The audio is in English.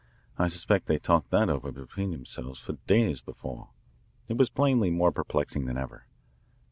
I suspect they talked that over between themselves for days before." It was plainly more perplexing than ever.